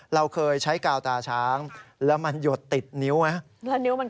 เราเคยใช้กาวตาช้างแล้วมันหยดติดนิ้วไหม